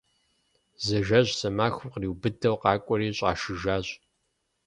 Зы жэщ зы махуэм къриубыдэу къакӏуэри щӏашыжащ.